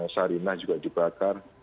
sarinah juga dibakar